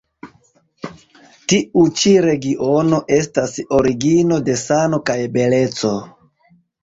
Tiu ĉi regiono estas origino de sano kaj beleco.